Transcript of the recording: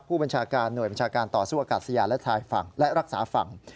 ผู้บัญชาการหน่วยบัญชาการต่อสู้อากาศยานและชายฝั่งและรักษาฝั่ง